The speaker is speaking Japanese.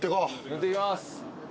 塗っていきます。